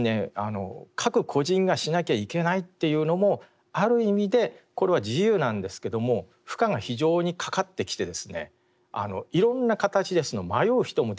各個人がしなきゃいけないっていうのもある意味でこれは自由なんですけども負荷が非常にかかってきてですねいろんな形で迷う人も出てくる。